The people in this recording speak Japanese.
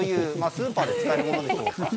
スーパーで使えるものでしょうか。